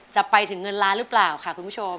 จะไปถึงเงินล้านหรือเปล่าค่ะคุณผู้ชม